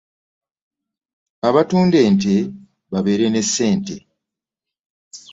Abatunda ente babeera ne ssente.